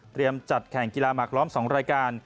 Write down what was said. จัดแข่งกีฬาหมากล้อม๒รายการ